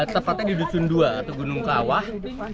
tepatnya di dusun dua atau gunung kawah